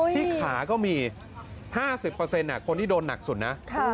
ที่ขาก็มี๕๐คนที่โดนหนักสุดนะ